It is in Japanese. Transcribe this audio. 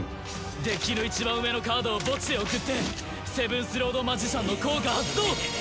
デッキのいちばん上のカードを墓地へ送ってセブンスロード・マジシャンの効果発動！